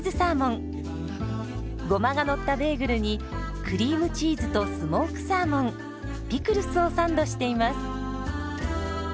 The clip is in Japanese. ゴマがのったベーグルにクリームチーズとスモークサーモンピクルスをサンドしています。